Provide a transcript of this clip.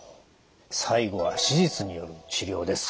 最後は手術による治療です。